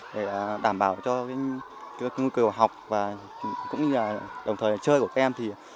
để đảm bảo cho môi trường học và đồng thời chơi của các em